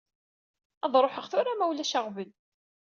Ad ṛuḥeɣ tura ma ulac aɣbel.